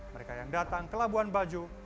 mereka yang datang ke labuan bajo